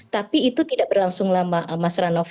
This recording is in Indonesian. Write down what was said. tapi itu tidak berlangsung lama mas ranov